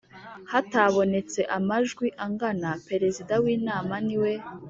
Hatabonetse amajwi angana perezida w inama niwe